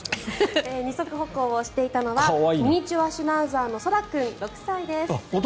二足歩行をしていたのはミニチュアシュナウザーの空君６歳です。